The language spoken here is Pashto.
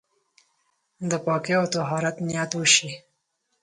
د پاکۍ او طهارت نيت وشي.